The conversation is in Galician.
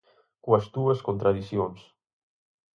Coas túas contradicións.